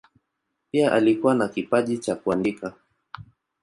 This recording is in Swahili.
Pia alikuwa na kipaji cha kuandika.